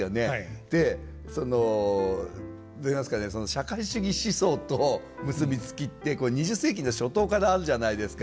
社会主義思想と結び付きってこれ２０世紀の初頭からあるじゃないですか。